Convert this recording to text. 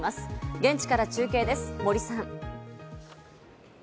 現地から中継です、森さん。